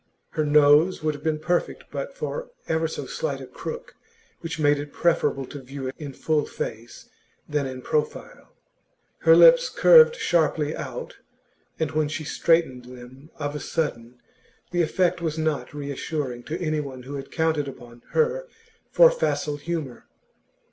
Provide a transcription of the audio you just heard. Her nose would have been perfect but for ever so slight a crook which made it preferable to view her in full face than in profile; her lips curved sharply out, and when she straightened them of a sudden, the effect was not reassuring to anyone who had counted upon her for facile humour.